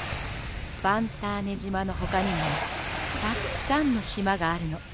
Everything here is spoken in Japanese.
ファンターネじまのほかにもたっくさんのしまがあるの。